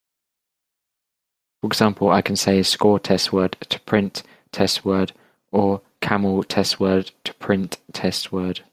For example, I can say "score test word" to print "test word", or "camel test word" to print "testWord".